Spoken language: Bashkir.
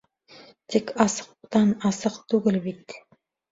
Тик асыҡтан-асыҡ түгел бит.